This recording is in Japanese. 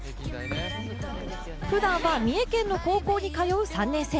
ふだんは三重県の高校に通う３年生。